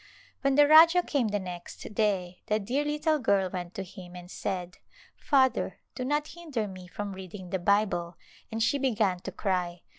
When the Rajah came the next day the dear little girl went to him and said, " Father, do not hinder me from reading the Bible," and she began to cry.